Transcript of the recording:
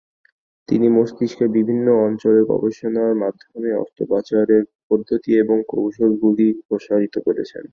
তিনি মস্তিষ্কের বিভিন্ন অঞ্চলের গবেষণার মাধ্যমে অস্ত্রোপচারের পদ্ধতি এবং কৌশলগুলি প্রসারিত করেছেন।